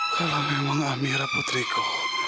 kalau memang amira putriku